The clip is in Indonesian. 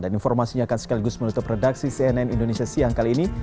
dan informasinya akan sekaligus melutup redaksi cnn indonesia siang kali ini